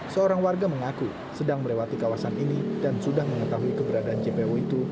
seorang warga mengaku sedang melewati kawasan ini dan sudah mengetahui keberadaan jpo itu